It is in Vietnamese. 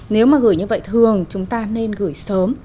nếu mà gửi như vậy thường chúng ta nên gửi sớm